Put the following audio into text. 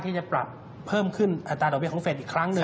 ที่จะปรับเพิ่มขึ้นอัตราดอกเบีของเฟสอีกครั้งหนึ่ง